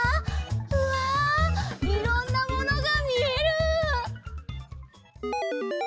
うわいろんなものがみえる！